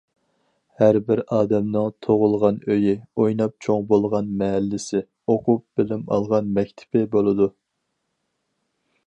ھەربىر ئادەمنىڭ تۇغۇلغان ئۆيى، ئويناپ چوڭ بولغان مەھەللىسى، ئوقۇپ بىلىم ئالغان مەكتىپى بولىدۇ.